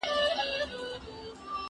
زه اوس د سبا لپاره د يادښتونه بشپړوم!!